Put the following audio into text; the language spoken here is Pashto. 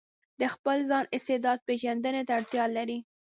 د خپل ځان استعداد پېژندنې ته اړتيا لري.